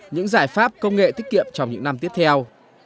những giải pháp công nghệ tiết kiệm trong những năm tiếp theo